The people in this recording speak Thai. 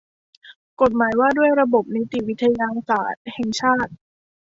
กฎหมายว่าด้วยระบบนิติวิทยาศาสตร์แห่งชาติ